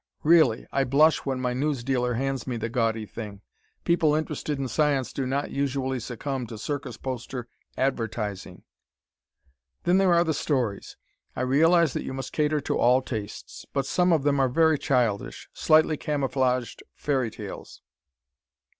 Really, I blush when my newsdealer hands me the gaudy thing. People interested in science do not usually succumb to circus poster advertising. Then there are the stories. I realize that you must cater to all tastes, but some of them are very childish, slightly camouflaged fairy tales.